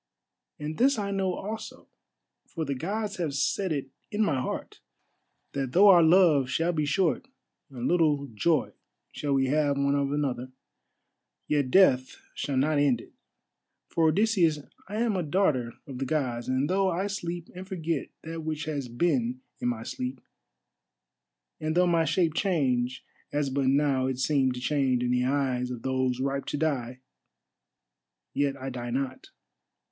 And this I know also, for the Gods have set it in my heart, that though our love shall be short, and little joy shall we have one of another, yet death shall not end it. For, Odysseus, I am a daughter of the Gods, and though I sleep and forget that which has been in my sleep, and though my shape change as but now it seemed to change in the eyes of those ripe to die, yet I die not.